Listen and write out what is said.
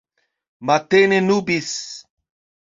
Matene nubis.